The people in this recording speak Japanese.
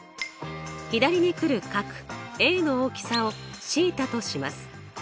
左に来る角Ａの大きさをθとします。